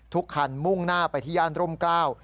ทุกคันมุ่งหน้าไปที่ย่านร่มกล้าว